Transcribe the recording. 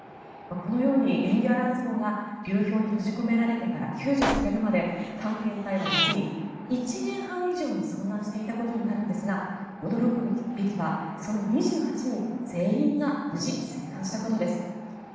このように「エンデュアランス号」が流氷に閉じ込められてから救助されるまで探検隊は実に１年半以上も遭難していたことになるんですが驚くべきはその２８人全員が無事、生還したことです。